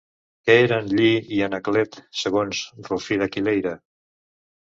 Què eren Lli i Anaclet segons Rufí d'Aquileia?